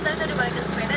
tadi balikin sepeda